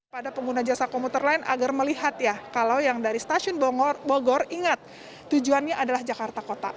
pada pengguna jasa komuter lain agar melihat ya kalau yang dari stasiun bogor ingat tujuannya adalah jakarta kota